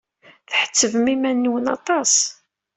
Tḥettbem iman-nwen aṭas!